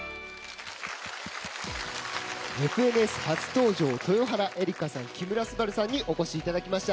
「ＦＮＳ」初登場豊原江理佳さん、木村昴さんにお越しいただきました。